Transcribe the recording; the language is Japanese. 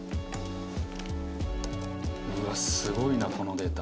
うわっすごいなこのデータ。